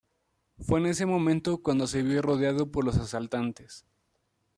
Fue en ese momento cuando se vio rodeado por los asaltantes.